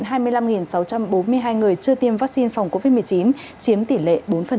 trong đó một trăm bốn mươi hai người chưa tiêm vaccine phòng covid một mươi chín chiếm tỷ lệ bốn